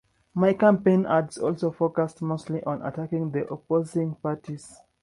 Many campaign ads also focused mostly on attacking the opposing parties.